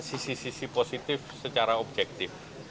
sisi sisi positif secara objektif